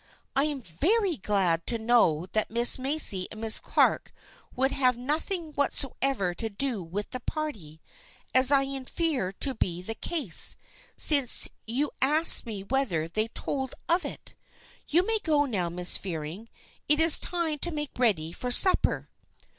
I am very glad to know that Miss Macy and Miss Clark would have noth ing whatever to do with the party, as I infer to be the case, since you ask me whether they told of it. You may go now, Miss Fearing. It is time to make ready for supper."